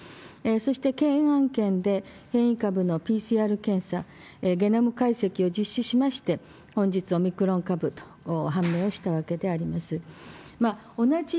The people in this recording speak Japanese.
そして健安研で、変異株のＰＣＲ検査、ゲノム解析を実施しまして、本日、オミクロン株と判明をしたわけであります。